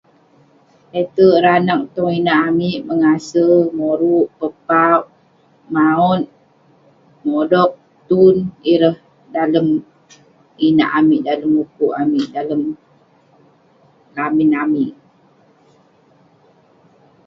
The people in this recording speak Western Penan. le'terk ireh anag tong inak amik, mengase, moruk, pepauk, maot, modog, tun ireh dalem inak amik dalem ukuk amik, dalem lamin amik